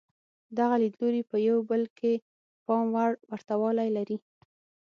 دغه لیدلوري په یو بل کې پام وړ ورته والی لري.